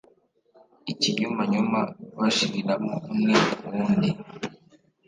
ikinyumanyuma bashiriramo umwe kuw’undi